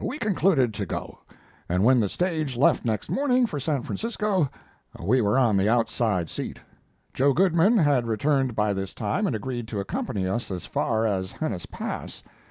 We concluded to go, and when the stage left next morning for San Francisco we were on the outside seat. Joe Goodman had returned by this time and agreed to accompany us as far as Henness Pass.